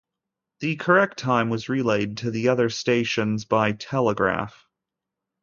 The correct time was relayed to the other stations by telegraph.